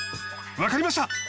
わかりました！